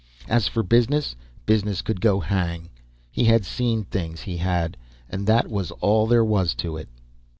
As for business, business could go hang. He had seen things, he had, and that was all there was to it.